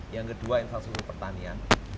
yang kedua infrastruktur pertanian